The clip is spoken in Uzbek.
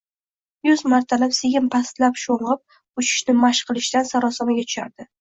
yuz martalab sekin pastlab sho‘ng‘ib uchishni mashq qilishidan sarosimaga tushardi.